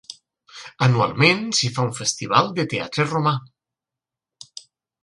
Anualment, s'hi fa un festival de teatre romà.